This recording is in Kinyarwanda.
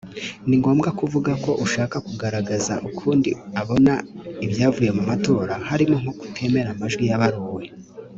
ni ngombwa kuvuga ko ushaka kugaragaza ukundi abona ibyavuye mu matora harimo nko kutemera amajwi yabaruwe